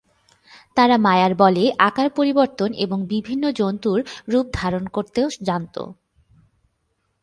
তারা মায়ার বলে আকার পরিবর্তন এবং বিভিন্ন জন্তুর রূপ ধারণ করতেও জানত।